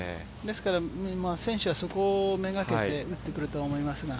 選手はそこを目がけて打ってくるとは思いますが。